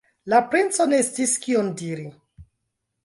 La princo ne sciis, kion diri.